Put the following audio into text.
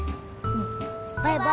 うんバイバイ。